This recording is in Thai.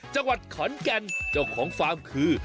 จังหวัดขอนแก่นเจ้าของฟาร์มคือ